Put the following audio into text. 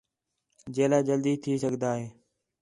جیلا جلدی تھی سڳدا ہِے